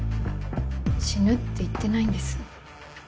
死ぬって言ってないんです。